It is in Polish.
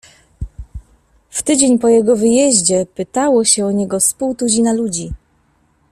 "W tydzień po jego wyjeździe pytało się o niego z pół tuzina ludzi."